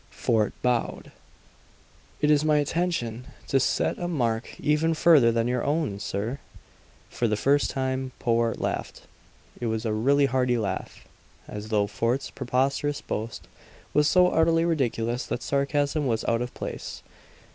Fort bowed. "It is my intention to set a mark even further than your own, sir!" For the first time Powart laughed. It was a really hearty laugh, as though Fort's preposterous boast was so utterly ridiculous that sarcasm was out of place.